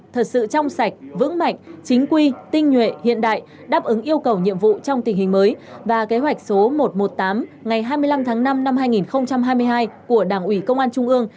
thật sự trong sạch vững mạnh chính quy tinh nhuệ hiện đại đáp ứng yêu cầu nhiệm vụ trong tình hình mới và kế hoạch số một trăm một mươi tám ngày hai mươi năm tháng năm năm hai nghìn hai mươi hai của đảng ủy công an trung ương